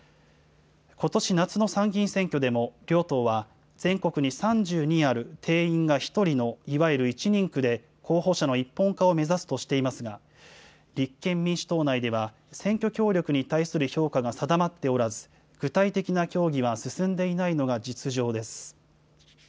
ことし夏の参議院選挙でも両党は全国に３２ある定員が１人のいわゆる１人区で、候補者の一本化を目指すとしていますが、立憲民主党内では、選挙協力に対する評価が定まっておらず、具体的な協議は進んでいないのが実情です。